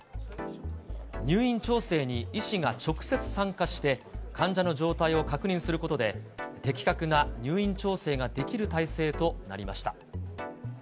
入院調整に医師が直接参加して患者の状態を確認することで、的確な入院調整ができる体制となりました。